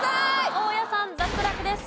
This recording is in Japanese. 大家さん脱落です。